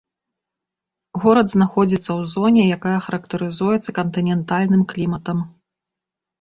Горад знаходзіцца ў зоне, якая характарызуецца кантынентальным кліматам.